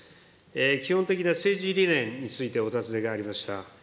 基本的な政治理念についてお尋ねがありました。